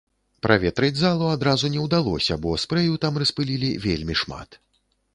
Праветрыць залу адразу не ўдалося, бо спрэю там распылілі вельмі шмат.